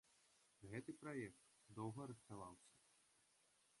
Гэты праект доўга рыхтаваўся.